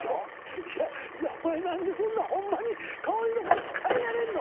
いやお前何でそんなホンマに顔色変えられんの？